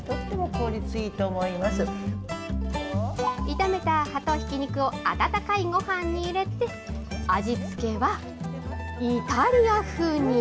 炒めた葉とひき肉を温かいごはんに入れて、味付けはイタリア風に。